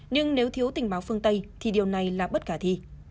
nhưng nếu thiếu tình báo phương tây thì điều này là bất khả thi